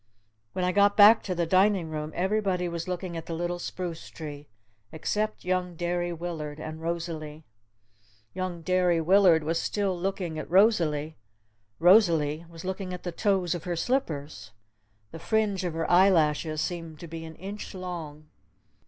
When I got back to the dining room everybody was looking at the little spruce tree except young Derry Willard and Rosalee. Young Derry Willard was still looking at Rosalee. Rosalee was looking at the toes of her slippers. The fringe of her eyelashes seemed to be an inch long.